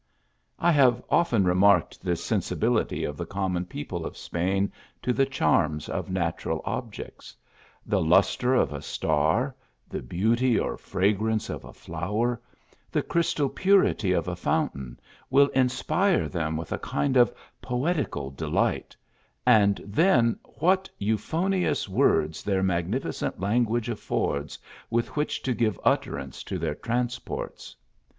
I have often remarked this sensibility of the com mon people of Spain to the charms of natural objects The lustre of a star the beauty or fragrance of a flower the crystal purity of a fountain, will inspire them with a kind of poetical delight and then what euphonous words their magnificent language affords, with which to give utterance to their transports